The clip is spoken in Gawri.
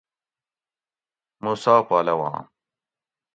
موسیٰ پہلوان